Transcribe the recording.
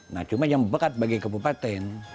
nah cuma yang membekat bagi kabupaten